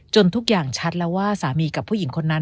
ทุกอย่างชัดแล้วว่าสามีกับผู้หญิงคนนั้น